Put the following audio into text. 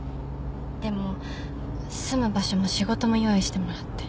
でも住む場所も仕事も用意してもらって